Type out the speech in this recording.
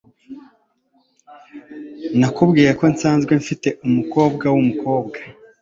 Nakubwiye ko nsanzwe mfite umukobwa wumukobwa.